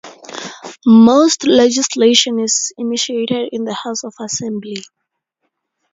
Most legislation is initiated in the House of Assembly.